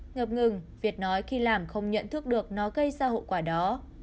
ngập ngừng việt nói khi làm không nhận thức được nó gây ra hậu quả đó